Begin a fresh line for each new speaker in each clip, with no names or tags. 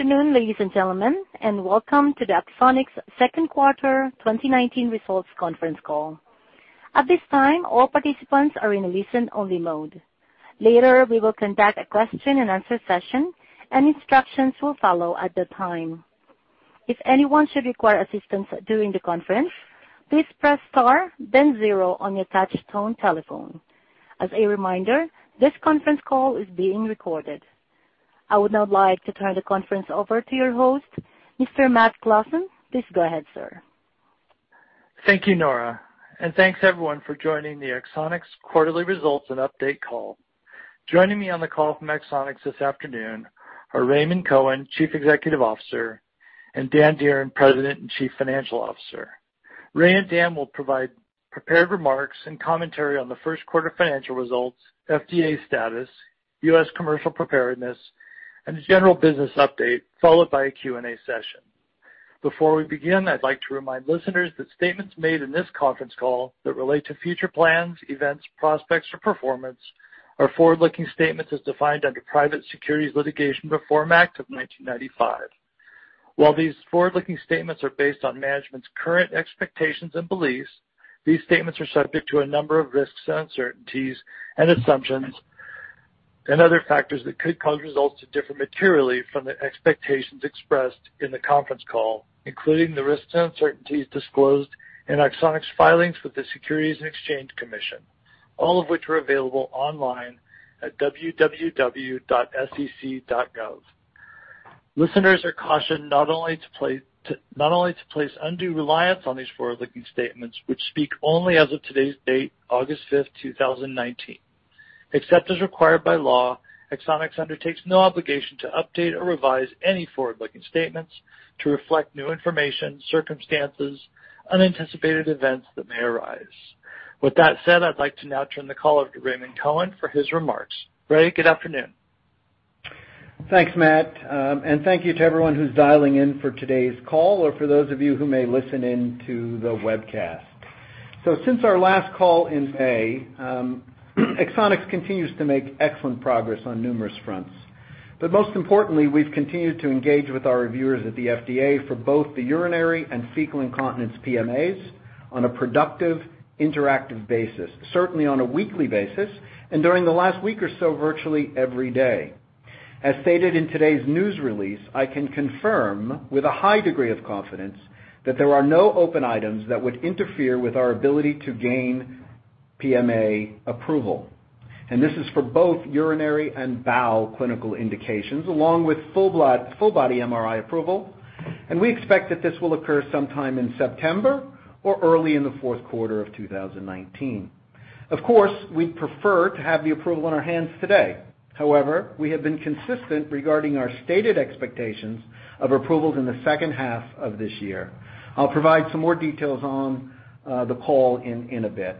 Good afternoon, ladies and gentlemen, and welcome to the Axonics Second Quarter 2019 Results Conference Call. At this time, all participants are in a listen-only mode. Later, we will conduct a question-and-answer session, and instructions will follow at the time. If anyone should require assistance during the conference, please press star then zero on your touch tone telephone. As a reminder, this conference call is being recorded. I would now like to turn the conference over to your host, Mr. Matt Clawson. Please go ahead, sir.
Thank you, Nora, and thanks everyone for joining the Axonics quarterly results and update call. Joining me on the call from Axonics this afternoon are Raymond Cohen, Chief Executive Officer, and Dan Dearen, President and Chief Financial Officer. Ray and Dan will provide prepared remarks and commentary on the first quarter financial results, FDA status, U.S. commercial preparedness, and a general business update, followed by a Q&A session. Before we begin, I'd like to remind listeners that statements made in this conference call that relate to future plans, events, prospects, or performance are forward-looking statements as defined under Private Securities Litigation Reform Act of 1995. While these forward-looking statements are based on management's current expectations and beliefs, these statements are subject to a number of risks and uncertainties and assumptions and other factors that could cause results to differ materially from the expectations expressed in the conference call, including the risks and uncertainties disclosed in Axonics' filings with the Securities and Exchange Commission, all of which are available online at www.sec.gov. Listeners are cautioned not to place undue reliance on these forward-looking statements, which speak only as of today's date, August 5th, 2019. Except as required by law, Axonics undertakes no obligation to update or revise any forward-looking statements to reflect new information, circumstances, unanticipated events that may arise. With that said, I'd like to now turn the call over to Raymond Cohen for his remarks. Ray, good afternoon.
Thanks, Matt. Thank you to everyone who's dialing in for today's call or for those of you who may listen in to the webcast. Since our last call in May, Axonics continues to make excellent progress on numerous fronts. Most importantly, we've continued to engage with our reviewers at the FDA for both the urinary and fecal incontinence PMAs on a productive interactive basis. Certainly on a weekly basis, during the last week or so, virtually every day. As stated in today's news release, I can confirm with a high degree of confidence that there are no open items that would interfere with our ability to gain PMA approval. This is for both urinary and bowel clinical indications, along with full body MRI approval. We expect that this will occur sometime in September or early in the fourth quarter of 2019. Of course, we'd prefer to have the approval in our hands today. However, we have been consistent regarding our stated expectations of approvals in the second half of this year. I'll provide some more details on the call in a bit.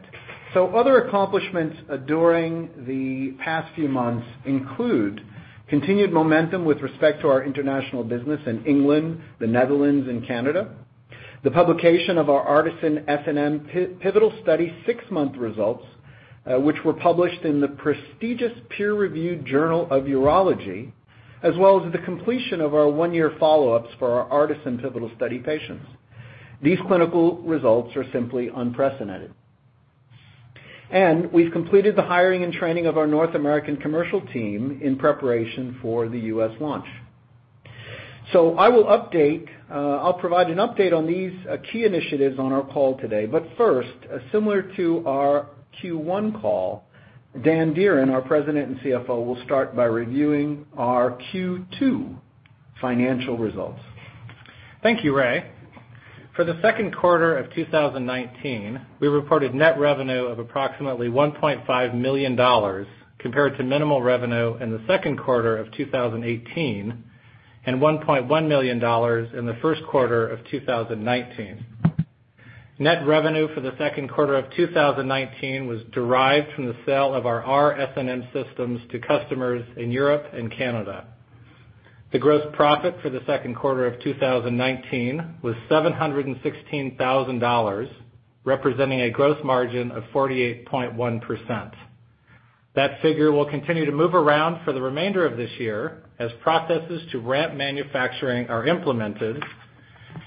Other accomplishments during the past few months include continued momentum with respect to our international business in England, the Netherlands, and Canada, the publication of our ARTISAN-SNM pivotal study six-month results, which were published in the prestigious peer-reviewed The Journal of Urology, as well as the completion of our one-year follow-ups for our ARTISAN pivotal study patients. These clinical results are simply unprecedented. We've completed the hiring and training of our North American commercial team in preparation for the U.S. launch. I will provide an update on these key initiatives on our call today. First, similar to our Q1 call, Dan Dearen, our President and CFO, will start by reviewing our Q2 financial results.
Thank you, Ray. For the second quarter of 2019, we reported net revenue of approximately $1.5 million compared to minimal revenue in the second quarter of 2018 and $1.1 million in the first quarter of 2019. Net revenue for the second quarter of 2019 was derived from the sale of our r-SNM systems to customers in Europe and Canada. The gross profit for the second quarter of 2019 was $716,000, representing a gross margin of 48.1%. That figure will continue to move around for the remainder of this year as processes to ramp manufacturing are implemented,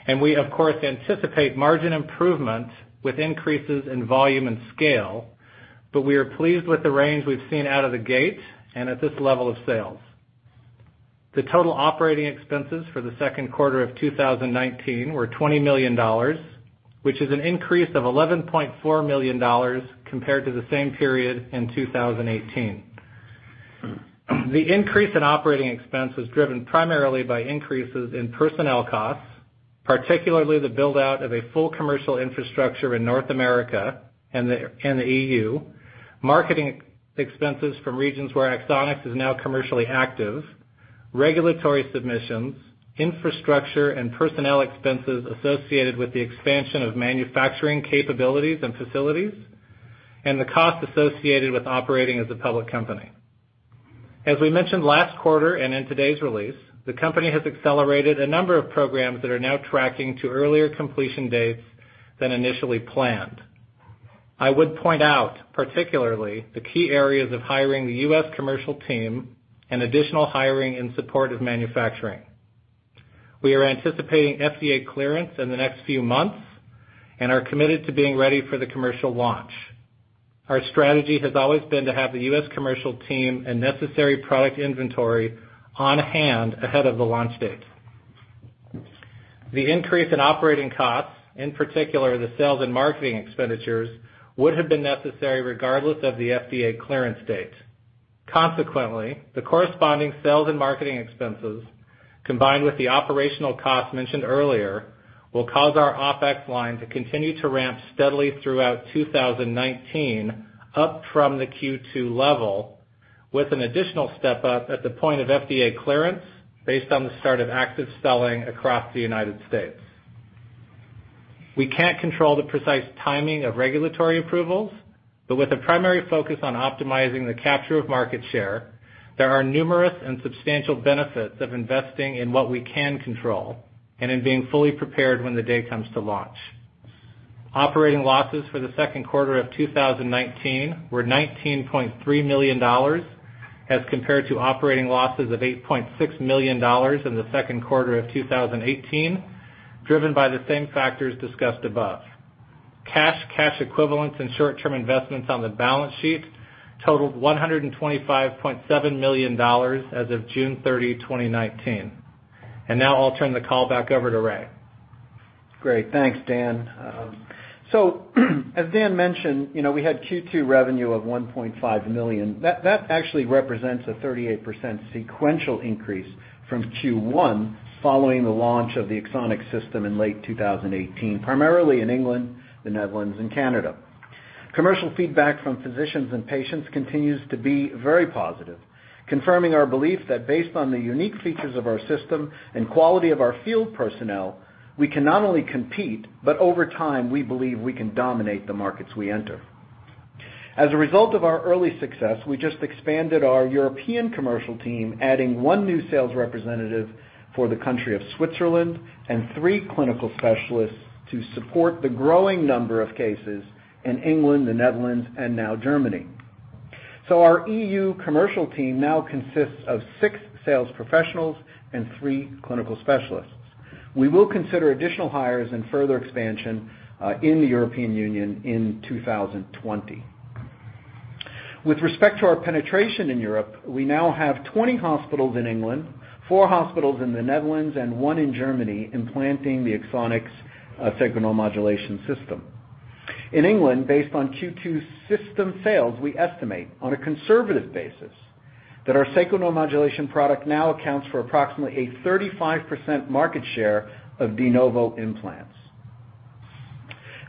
and we of course anticipate margin improvement with increases in volume and scale, but we are pleased with the range we've seen out of the gate and at this level of sales. The total operating expenses for the second quarter of 2019 were $20 million, which is an increase of $11.4 million compared to the same period in 2018. The increase in operating expense was driven primarily by increases in personnel costs, particularly the build-out of a full commercial infrastructure in North America and the EU, marketing expenses from regions where Axonics is now commercially active, regulatory submissions, infrastructure and personnel expenses associated with the expansion of manufacturing capabilities and facilities, and the cost associated with operating as a public company. As we mentioned last quarter and in today's release, the company has accelerated a number of programs that are now tracking to earlier completion dates than initially planned. I would point out particularly the key areas of hiring the U.S. commercial team and additional hiring in support of manufacturing. We are anticipating FDA clearance in the next few months and are committed to being ready for the commercial launch. Our strategy has always been to have the U.S. commercial team and necessary product inventory on hand ahead of the launch date. The increase in operating costs, in particular, the sales and marketing expenditures, would have been necessary regardless of the FDA clearance date. Consequently, the corresponding sales and marketing expenses, combined with the operational costs mentioned earlier, will cause our OpEx line to continue to ramp steadily throughout 2019 up from the Q2 level, with an additional step-up at the point of FDA clearance based on the start of active selling across the U.S. We can't control the precise timing of regulatory approvals, but with a primary focus on optimizing the capture of market share, there are numerous and substantial benefits of investing in what we can control and in being fully prepared when the day comes to launch. Operating losses for the second quarter of 2019 were $19.3 million as compared to operating losses of $8.6 million in the second quarter of 2018, driven by the same factors discussed above. Cash, cash equivalents, and short-term investments on the balance sheet totaled $125.7 million as of June 30, 2019. Now I'll turn the call back over to Ray.
Great. Thanks, Dan Dearen. As Dan Dearen mentioned, we had Q2 revenue of $1.5 million. That actually represents a 38% sequential increase from Q1 following the launch of the Axonics System in late 2018, primarily in England, the Netherlands, and Canada. Commercial feedback from physicians and patients continues to be very positive, confirming our belief that based on the unique features of our system and quality of our field personnel, we can not only compete, but over time, we believe we can dominate the markets we enter. As a result of our early success, we just expanded our European commercial team, adding one new sales representative for the country of Switzerland and three clinical specialists to support the growing number of cases in England, the Netherlands, and now Germany. Our EU commercial team now consists of six sales professionals and three clinical specialists. We will consider additional hires and further expansion in the European Union in 2020. With respect to our penetration in Europe, we now have 20 hospitals in England, four hospitals in the Netherlands, and one in Germany implanting the Axonics Sacral Neuromodulation System. In England, based on Q2 system sales, we estimate on a conservative basis that our sacral neuromodulation product now accounts for approximately a 35% market share of de novo implants.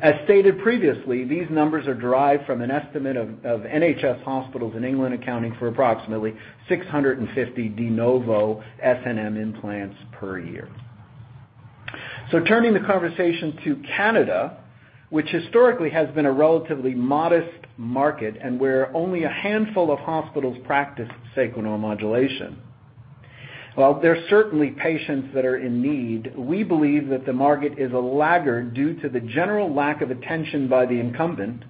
As stated previously, these numbers are derived from an estimate of NHS hospitals in England accounting for approximately 650 de novo SNM implants per year. Turning the conversation to Canada, which historically has been a relatively modest market and where only a handful of hospitals practice sacral neuromodulation. While there are certainly patients that are in need, we believe that the market is a laggard due to the general lack of attention by the incumbent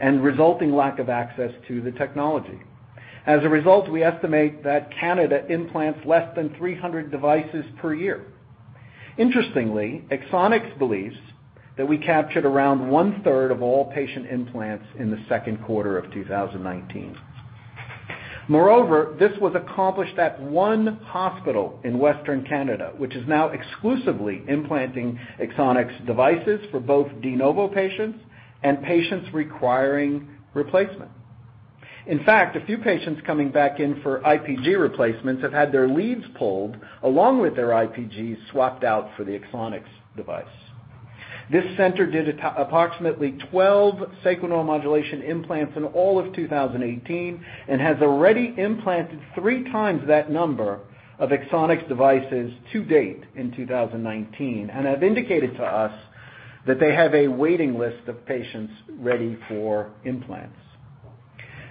and resulting lack of access to the technology. As a result, we estimate that Canada implants less than 300 devices per year. Interestingly, Axonics believes that we captured around 1/3 of all patient implants in the second quarter of 2019. Moreover, this was accomplished at one hospital in Western Canada, which is now exclusively implanting Axonics devices for both de novo patients and patients requiring replacement. In fact, a few patients coming back in for IPG replacements have had their leads pulled along with their IPGs swapped out for the Axonics device. This center did approximately 12 sacral neuromodulation implants in all of 2018 and has already implanted 3x that number of Axonics devices to date in 2019 and have indicated to us that they have a waiting list of patients ready for implants.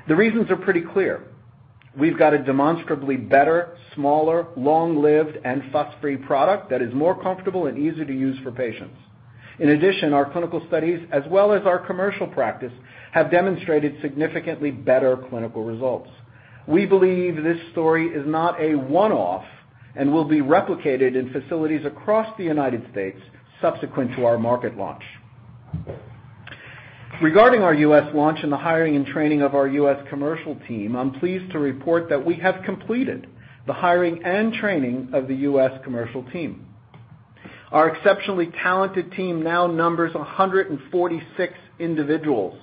The reasons are pretty clear. We've got a demonstrably better, smaller, long-lived, and fuss-free product that is more comfortable and easy to use for patients. In addition, our clinical studies as well as our commercial practice have demonstrated significantly better clinical results. We believe this story is not a one-off and will be replicated in facilities across the U.S. subsequent to our market launch. Regarding our U.S. launch and the hiring and training of our U.S. commercial team, I'm pleased to report that we have completed the hiring and training of the U.S. commercial team. Our exceptionally talented team now numbers 146 individuals,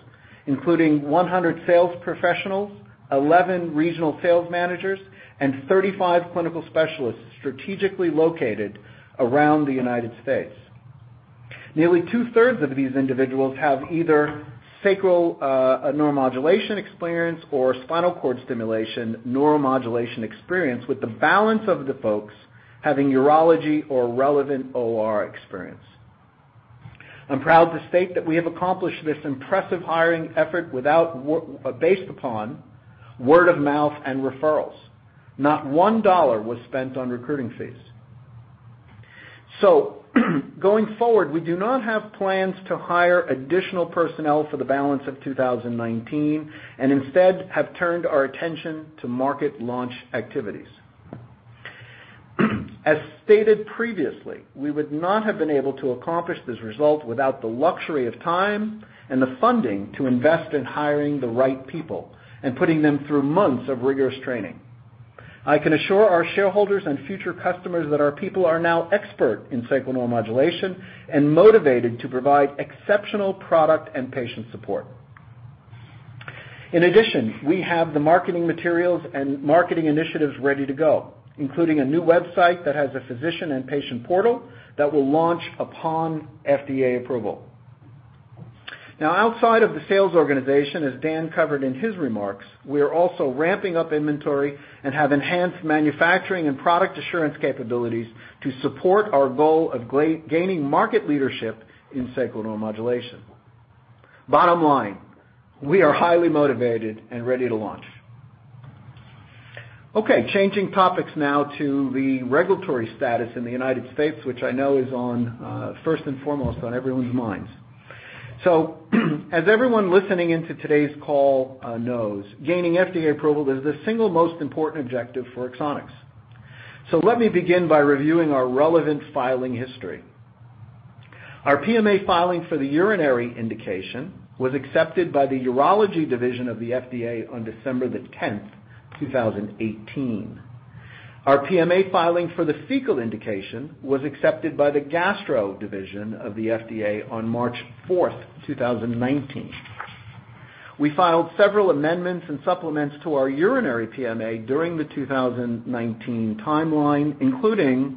including 100 sales professionals, 11 regional sales managers, and 35 clinical specialists strategically located around the United States. Nearly two-thirds of these individuals have either sacral neuromodulation experience or spinal cord stimulation neuromodulation experience with the balance of the folks having urology or relevant OR experience. I'm proud to state that we have accomplished this impressive hiring effort based upon word of mouth and referrals. Not $1 was spent on recruiting fees. Going forward, we do not have plans to hire additional personnel for the balance of 2019, and instead have turned our attention to market launch activities. As stated previously, we would not have been able to accomplish this result without the luxury of time and the funding to invest in hiring the right people and putting them through months of rigorous training. I can assure our shareholders and future customers that our people are now expert in sacral neuromodulation and motivated to provide exceptional product and patient support. We have the marketing materials and marketing initiatives ready to go, including a new website that has a physician and patient portal that will launch upon FDA approval. Outside of the sales organization, as Dan covered in his remarks, we are also ramping up inventory and have enhanced manufacturing and product assurance capabilities to support our goal of gaining market leadership in sacral neuromodulation. Bottom line, we are highly motivated and ready to launch. Okay, changing topics now to the regulatory status in the U.S., which I know is first and foremost on everyone's minds. As everyone listening into today's call knows, gaining FDA approval is the single most important objective for Axonics. Let me begin by reviewing our relevant filing history. Our PMA filing for the urinary indication was accepted by the urology division of the FDA on December 10th, 2018. Our PMA filing for the fecal indication was accepted by the gastro division of the FDA on March 4th, 2019. We filed several amendments and supplements to our urinary PMA during the 2019 timeline, including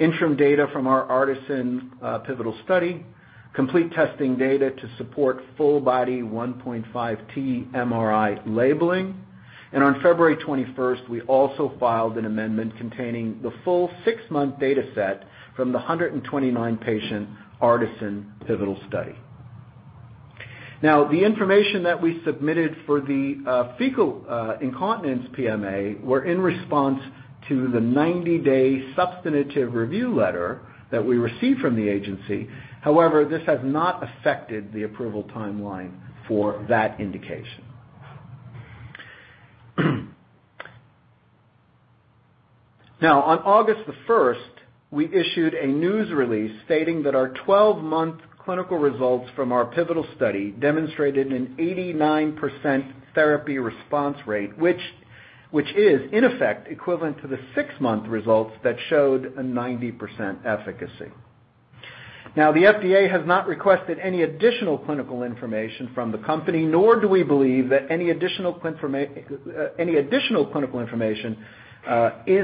interim data from our ARTISAN pivotal study, complete testing data to support full body 1.5T MRI labeling, and on February 21st, we also filed an amendment containing the full six-month data set from the 129-patient ARTISAN pivotal study. The information that we submitted for the fecal incontinence PMA were in response to the 90-day substantive review letter that we received from the agency. However, this has not affected the approval timeline for that indication. On August 1st, we issued a news release stating that our 12-month clinical results from our pivotal study demonstrated an 89% therapy response rate, which is, in effect, equivalent to the six-month results that showed a 90% efficacy. The FDA has not requested any additional clinical information from the company, nor do we believe that any additional clinical information is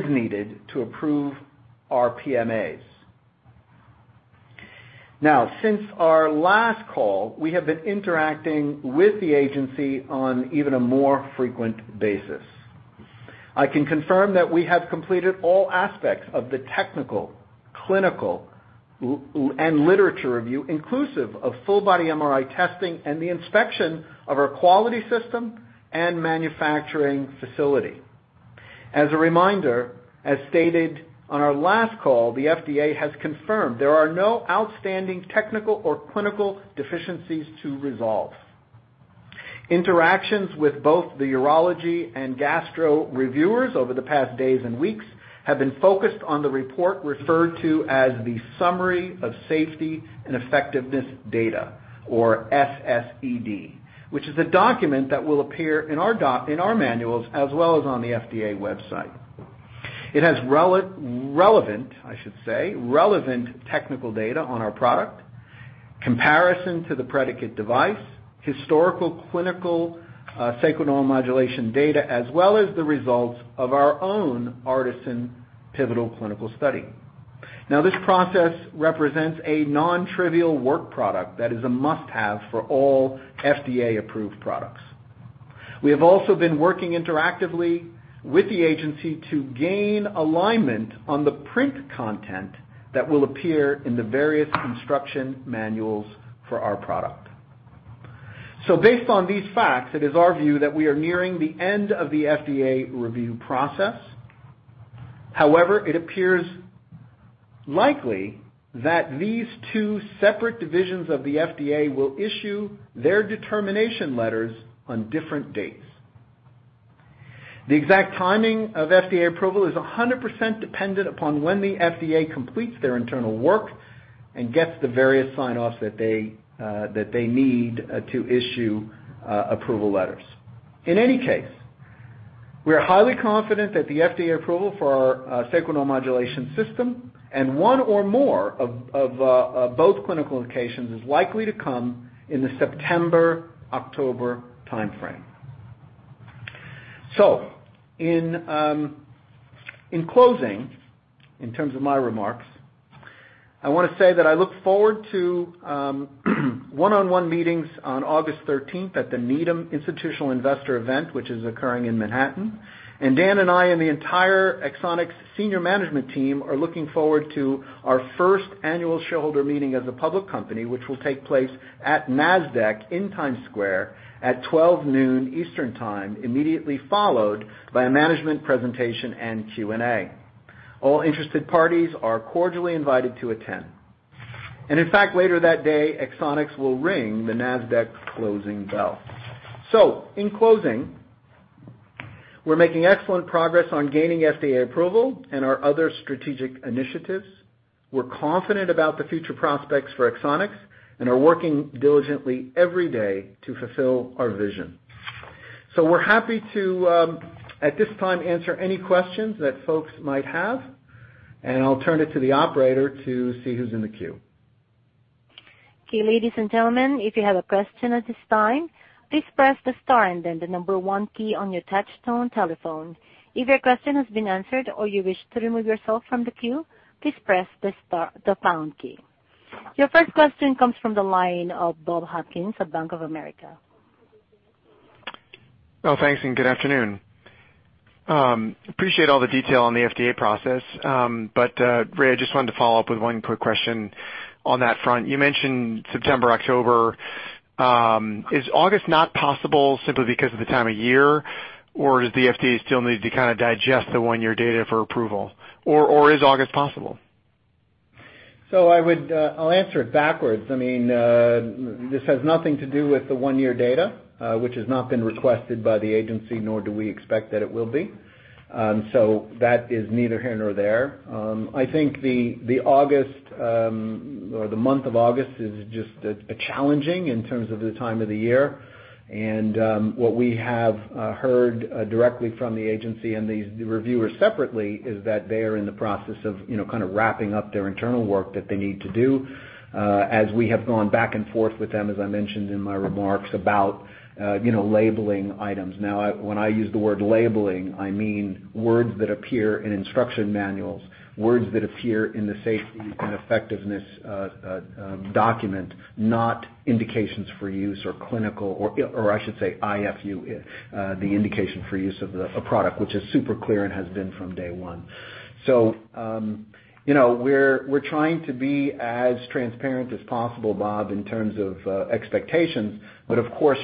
needed to approve our PMAs. Since our last call, we have been interacting with the agency on even a more frequent basis. I can confirm that we have completed all aspects of the technical, clinical, and literature review, inclusive of full-body MRI testing and the inspection of our quality system and manufacturing facility. As a reminder, as stated on our last call, the FDA has confirmed there are no outstanding technical or clinical deficiencies to resolve. Interactions with both the urology and gastro reviewers over the past days and weeks have been focused on the report referred to as the Summary of Safety and Effectiveness Data, or SSED, which is a document that will appear in our manuals as well as on the FDA website. It has relevant technical data on our product, comparison to the predicate device, historical clinical sacral neuromodulation data, as well as the results of our own ARTISAN pivotal clinical study. This process represents a non-trivial work product that is a must-have for all FDA-approved products. We have also been working interactively with the agency to gain alignment on the print content that will appear in the various instruction manuals for our product. Based on these facts, it is our view that we are nearing the end of the FDA review process. It appears likely that these two separate divisions of the FDA will issue their determination letters on different dates. The exact timing of FDA approval is 100% dependent upon when the FDA completes their internal work and gets the various sign-offs that they need to issue approval letters. We are highly confident that the FDA approval for our sacral neuromodulation system and one or more of both clinical indications is likely to come in the September-October timeframe. In closing, in terms of my remarks, I want to say that I look forward to one-on-one meetings on August 13th at the Needham Institutional Investor event, which is occurring in Manhattan. Dan and I and the entire Axonics senior management team are looking forward to our first annual shareholder meeting as a public company, which will take place at Nasdaq in Times Square at 12:00 P.M. Eastern Time, immediately followed by a management presentation and Q&A. All interested parties are cordially invited to attend. In fact, later that day, Axonics will ring the Nasdaq closing bell. In closing, we're making excellent progress on gaining FDA approval and our other strategic initiatives. We're confident about the future prospects for Axonics and are working diligently every day to fulfill our vision. We're happy to, at this time, answer any questions that folks might have, and I'll turn it to the operator to see who's in the queue.
Okay. Ladies and gentlemen, if you have a question at this time, please press the star and then the number one key on your touch tone telephone. If your question has been answered or you wish to remove yourself from the queue, please press the pound key. Your first question comes from the line of Bob Hopkins at Bank of America.
Oh, thanks, and good afternoon. Ray, I just wanted to follow up with one quick question on that front. You mentioned September, October. Is August not possible simply because of the time of year? Does the FDA still need to kind of digest the one-year data for approval? Is August possible?
I'll answer it backwards. This has nothing to do with the one-year data, which has not been requested by the agency, nor do we expect that it will be. That is neither here nor there. I think the month of August is just challenging in terms of the time of the year. What we have heard directly from the agency and the reviewers separately is that they are in the process of kind of wrapping up their internal work that they need to do, as we have gone back and forth with them, as I mentioned in my remarks, about labeling items. Now, when I use the word labeling, I mean words that appear in instruction manuals, words that appear in the safety and effectiveness document, not indications for use or clinical, or I should say, IFU, the indication for use of a product, which is super clear and has been from day one. We're trying to be as transparent as possible, Bob, in terms of expectations. Of course,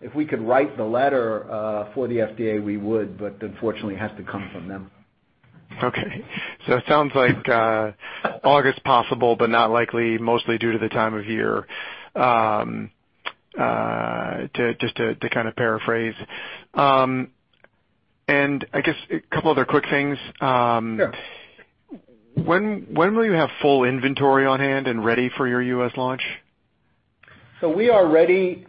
if we could write the letter for the FDA, we would. Unfortunately, it has to come from them.
Okay. It sounds like August possible, but not likely, mostly due to the time of year, just to kind of paraphrase. I guess a couple other quick things.
Sure.
When will you have full inventory on hand and ready for your U.S. launch?
We are ready.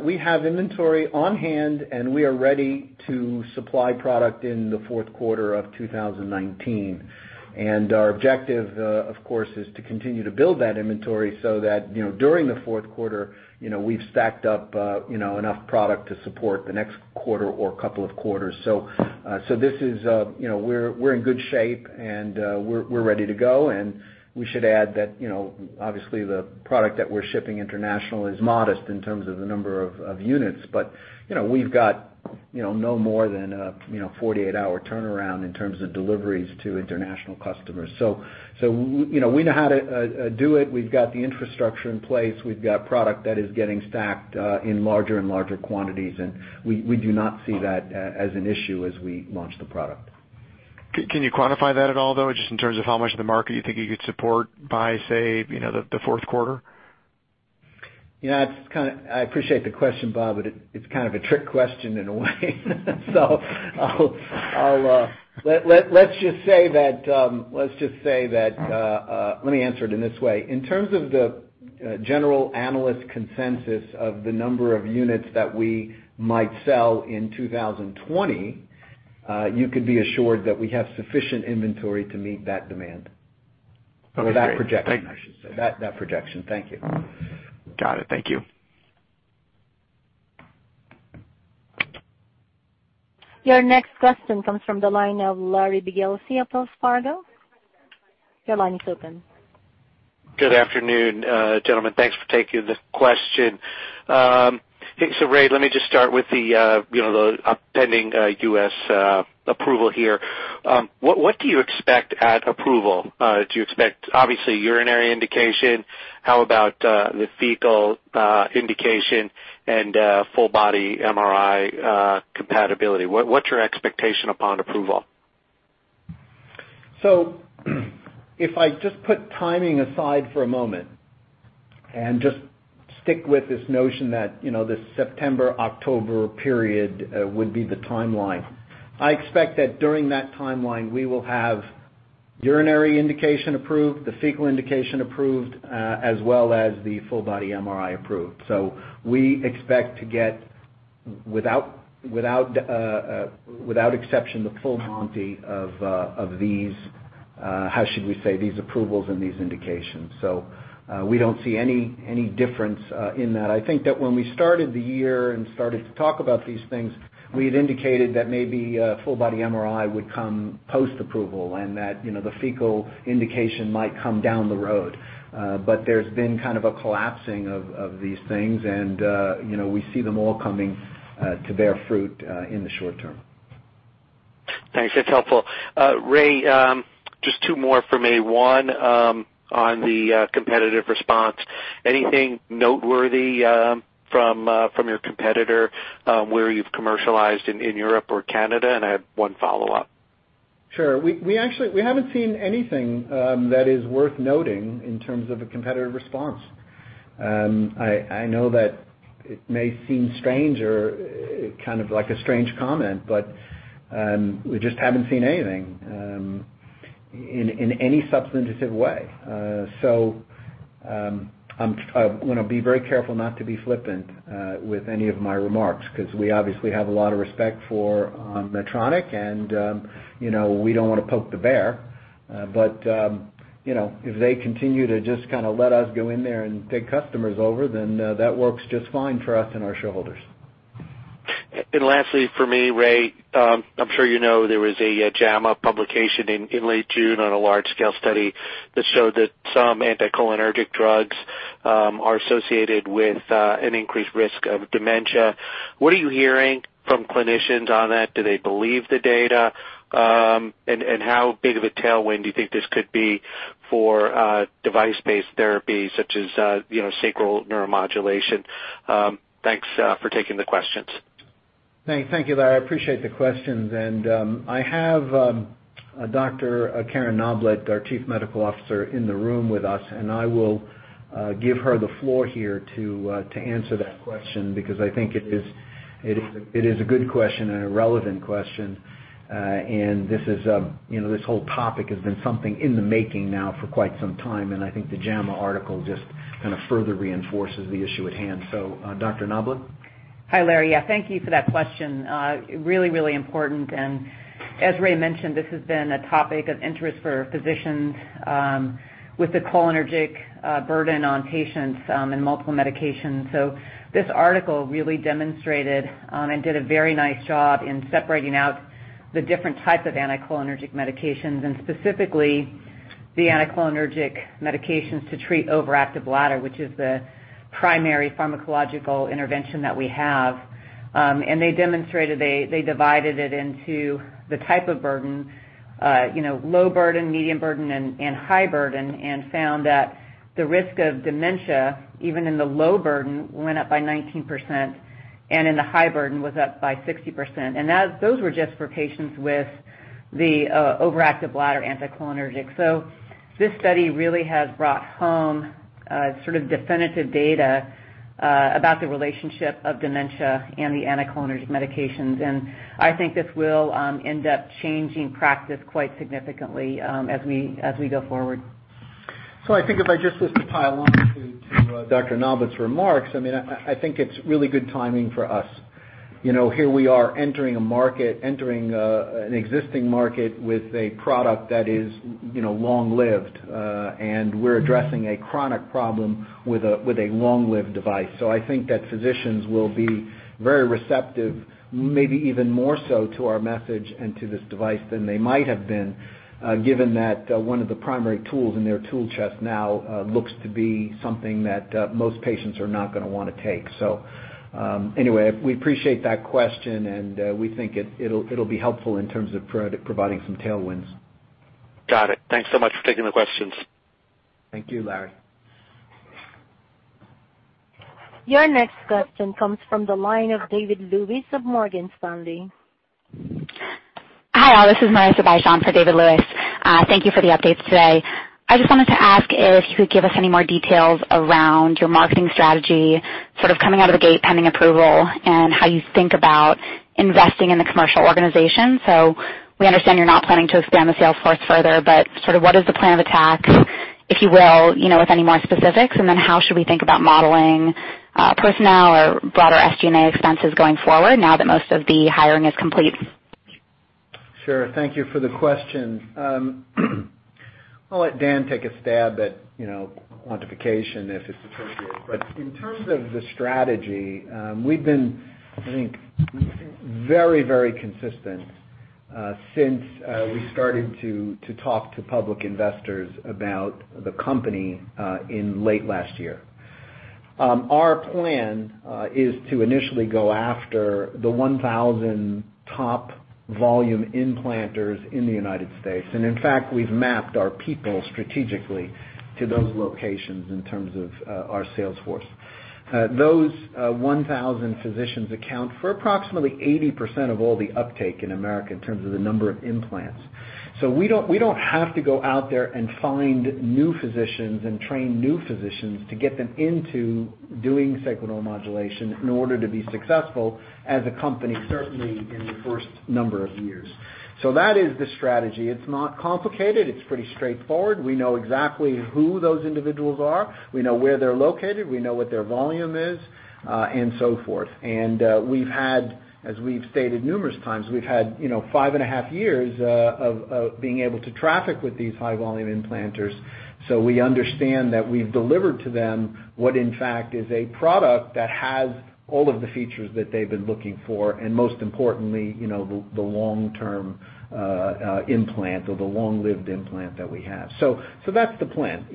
We have inventory on hand, and we are ready to supply product in the fourth quarter of 2019. Our objective, of course, is to continue to build that inventory so that during the fourth quarter, we've stacked up enough product to support the next quarter or couple of quarters. We're in good shape and we're ready to go. We should add that obviously the product that we're shipping international is modest in terms of the number of units. We've got no more than a 48-hour turnaround in terms of deliveries to international customers. We know how to do it. We've got the infrastructure in place. We've got product that is getting stacked in larger and larger quantities, and we do not see that as an issue as we launch the product.
Can you quantify that at all, though, just in terms of how much of the market you think you could support by, say, the fourth quarter?
I appreciate the question, Bob. It's kind of a trick question in a way. Let me answer it in this way. In terms of the general analyst consensus of the number of units that we might sell in 2020, you could be assured that we have sufficient inventory to meet that demand.
Okay, great.
That projection, I should say. That projection. Thank you.
Got it. Thank you.
Your next question comes from the line of Larry Biegelsen of Wells Fargo. Your line is open.
Good afternoon, gentlemen. Thanks for taking the question. Ray, let me just start with the pending U.S. approval here. What do you expect at approval? Do you expect, obviously, urinary indication? How about the fecal indication and full body MRI compatibility? What's your expectation upon approval?
If I just put timing aside for a moment and just stick with this notion that this September-October period would be the timeline. I expect that during that timeline, we will have urinary indication approved, the fecal indication approved, as well as the full body MRI approved. We expect to get, without exception, the full monty of these, how should we say, these approvals and these indications. We don't see any difference in that. I think that when we started the year and started to talk about these things, we had indicated that maybe full body MRI would come post-approval and that the fecal indication might come down the road. There's been kind of a collapsing of these things and we see them all coming to bear fruit in the short term.
Thanks. That's helpful. Ray, just two more from me. One, on the competitive response. Anything noteworthy from your competitor, where you've commercialized in Europe or Canada? I have one follow-up.
Sure. We haven't seen anything that is worth noting in terms of a competitive response. I know that it may seem strange or like a strange comment, but we just haven't seen anything in any substantive way. I'm going to be very careful not to be flippant with any of my remarks, because we obviously have a lot of respect for Medtronic, and we don't want to poke the bear. If they continue to just let us go in there and take customers over, then that works just fine for us and our shareholders.
Lastly, for me, Ray, I'm sure you know, there was a JAMA publication in late June on a large-scale study that showed that some anticholinergic drugs are associated with an increased risk of dementia. What are you hearing from clinicians on that? Do they believe the data? How big of a tailwind do you think this could be for device-based therapy such as sacral neuromodulation? Thanks for taking the questions.
Thank you, Larry. I appreciate the questions. I have Dr. Karen Noblett, our Chief Medical Officer, in the room with us, and I will give her the floor here to answer that question because I think it is a good question and a relevant question. This whole topic has been something in the making now for quite some time, and I think the JAMA article just further reinforces the issue at hand. Dr. Noblett?
Hi, Larry. Yeah, thank you for that question. Really important. As Ray mentioned, this has been a topic of interest for physicians with the cholinergic burden on patients and multiple medications. This article really demonstrated and did a very nice job in separating out the different types of anticholinergic medications, and specifically the anticholinergic medications to treat overactive bladder, which is the primary pharmacological intervention that we have. They demonstrated they divided it into the type of burden, low burden, medium burden, and high burden, and found that the risk of dementia, even in the low burden, went up by 19%, and in the high burden was up by 60%. Those were just for patients with the overactive bladder anticholinergic. This study really has brought home sort of definitive data about the relationship of dementia and the anticholinergic medications. I think this will end up changing practice quite significantly as we go forward.
I think if I just was to pile on to Dr. Noblett's remarks, I think it's really good timing for us. Here we are entering an existing market with a product that is long-lived, and we're addressing a chronic problem with a long-lived device. I think that physicians will be very receptive, maybe even more so to our message and to this device than they might have been, given that one of the primary tools in their tool chest now looks to be something that most patients are not going to want to take. Anyway, we appreciate that question, and we think it'll be helpful in terms of providing some tailwinds.
Got it. Thanks so much for taking the questions.
Thank you, Larry.
Your next question comes from the line of David Lewis of Morgan Stanley.
Hi, all. This is Marissa Bych on for David Lewis. Thank you for the updates today. I just wanted to ask if you could give us any more details around your marketing strategy, sort of coming out of the gate pending approval, and how you think about investing in the commercial organization. We understand you're not planning to expand the sales force further, but sort of what is the plan of attack, if you will, with any more specifics? How should we think about modeling personnel or broader SG&A expenses going forward now that most of the hiring is complete?
Sure. Thank you for the question. I'll let Dan take a stab at quantification if it's appropriate. In terms of the strategy, we've been, I think, very consistent since we started to talk to public investors about the company in late last year. Our plan is to initially go after the 1,000 top volume implanters in the U.S. In fact, we've mapped our people strategically to those locations in terms of our sales force. Those 1,000 physicians account for approximately 80% of all the uptake in America in terms of the number of implants. We don't have to go out there and find new physicians and train new physicians to get them into doing sacral neuromodulation in order to be successful as a company, certainly in the first number of years. That is the strategy. It's not complicated. It's pretty straightforward. We know exactly who those individuals are. We know where they're located, we know what their volume is, and so forth. As we've stated numerous times, we've had 5.5 years of being able to traffic with these high-volume implanters. We understand that we've delivered to them what in fact is a product that has all of the features that they've been looking for, and most importantly, the long-term implant or the long-lived implant that we have. That's the plan.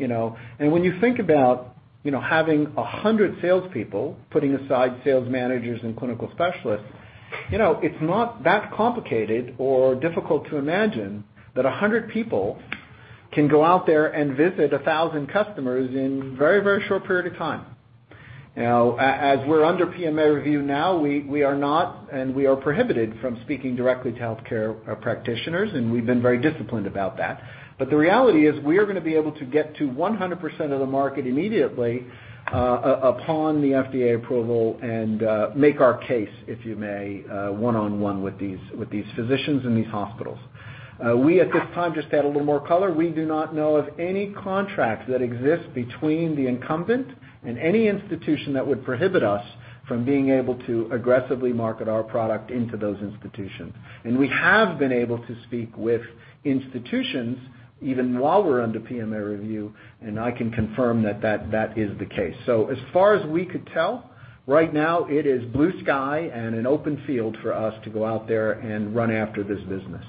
When you think about having 100 salespeople, putting aside sales managers and clinical specialists, it's not that complicated or difficult to imagine that 100 people can go out there and visit 1,000 customers in a very short period of time. As we're under PMA review now, we are prohibited from speaking directly to healthcare practitioners, and we've been very disciplined about that. The reality is we are going to be able to get to 100% of the market immediately upon the FDA approval and make our case, if you may, one-on-one with these physicians and these hospitals. We, at this time, just to add a little more color, we do not know of any contracts that exist between the incumbent and any institution that would prohibit us from being able to aggressively market our product into those institutions. We have been able to speak with institutions even while we're under PMA review, and I can confirm that that is the case. As far as we could tell, right now it is blue sky and an open field for us to go out there and run after this business.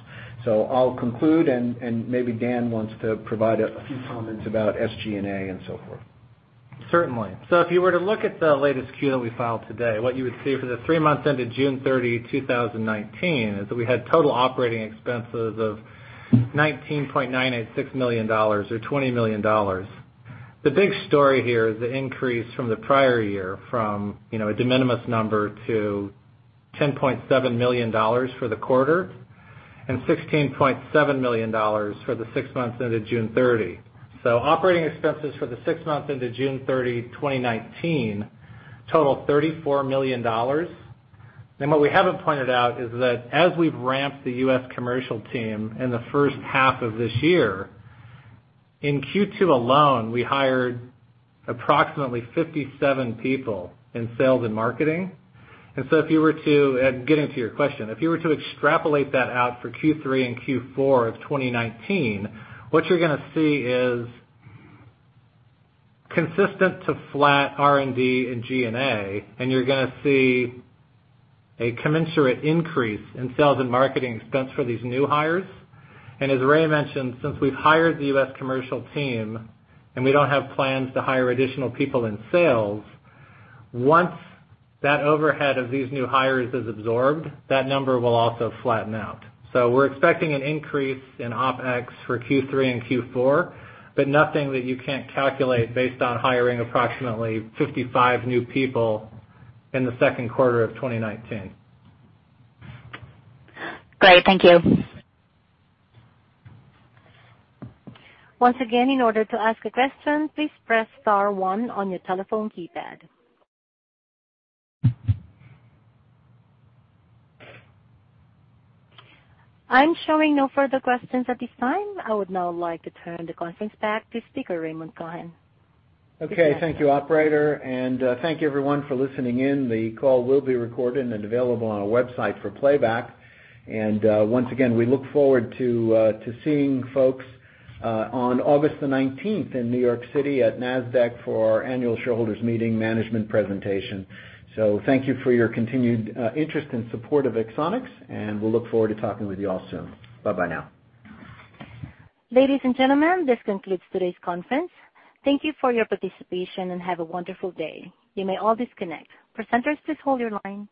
I'll conclude, and maybe Dan wants to provide a few comments about SG&A and so forth.
Certainly. If you were to look at the latest Q that we filed today, what you would see for the three months ended June 30, 2019, is that we had total operating expenses of $19.986 million or $20 million. The big story here is the increase from the prior year, from a de minimis number to $10.7 million for the quarter and $16.7 million for the six months ended June 30. Operating expenses for the six months into June 30, 2019, total $34 million. What we haven't pointed out is that as we've ramped the U.S. commercial team in the first half of this year, in Q2 alone, we hired approximately 57 people in sales and marketing. If you were to extrapolate that out for Q3 and Q4 of 2019, what you're going to see is consistent to flat R&D and G&A, and you're going to see a commensurate increase in sales and marketing expense for these new hires. As Ray mentioned, since we've hired the U.S. commercial team and we don't have plans to hire additional people in sales, once that overhead of these new hires is absorbed, that number will also flatten out. We're expecting an increase in OpEx for Q3 and Q4, but nothing that you can't calculate based on hiring approximately 55 new people in the second quarter of 2019.
Great. Thank you.
Once again, in order to ask a question, please press star one on your telephone keypad. I'm showing no further questions at this time. I would now like to turn the conference back to speaker Raymond Cohen.
Okay. Thank you, operator. Thank you everyone for listening in. The call will be recorded and available on our website for playback. Once again, we look forward to seeing folks on August 19th in New York City at Nasdaq for our annual shareholders meeting management presentation. Thank you for your continued interest and support of Axonics, and we'll look forward to talking with you all soon. Bye now.
Ladies and gentlemen, this concludes today's conference. Thank you for your participation, and have a wonderful day. You may all disconnect. Presenters, please hold your line.